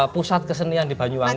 pusat kesenian di banyuwangi